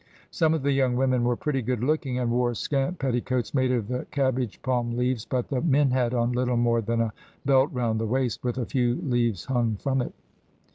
Some of the young women were pretty good looking, and wore scant petticoats made of the cabbage palm leaves, but the men had on little more than a belt round the waist with a few leaves hung from it.